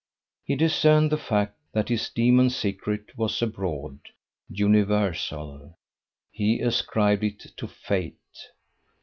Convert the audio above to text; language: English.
He discerned the fact that his demon secret was abroad, universal. He ascribed it to fate.